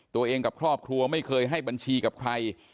กับครอบครัวไม่เคยให้บัญชีกับใคร